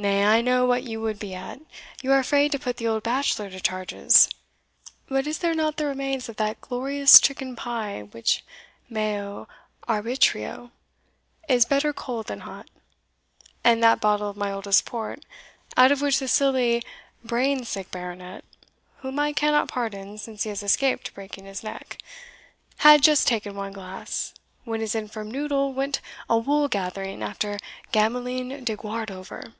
Nay, I know what you would be at you are afraid to put the old bachelor to charges. But is there not the remains of that glorious chicken pie which, meo arbitrio, is better cold than hot and that bottle of my oldest port, out of which the silly brain sick Baronet (whom I cannot pardon, since he has escaped breaking his neck) had just taken one glass, when his infirm noddle went a wool gathering after Gamelyn de Guardover?"